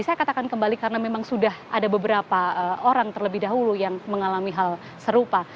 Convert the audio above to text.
jadi saya katakan kembali karena memang sudah ada beberapa orang terlebih dahulu yang mengalami hal serupa